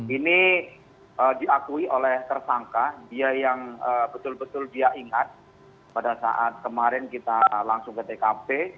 ini diakui oleh tersangka dia yang betul betul dia ingat pada saat kemarin kita langsung ke tkp